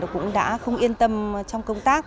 cũng đã không yên tâm trong công tác